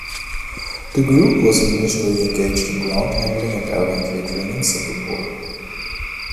The group was initially engaged in ground handling and airline catering in Singapore.